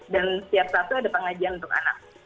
dan setiap sabtu ada pengajian untuk anak